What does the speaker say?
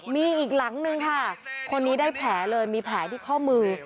มีอีกหลังนึงค่ะคนนี้ได้แผลเลยมีแผลที่ข้อมือ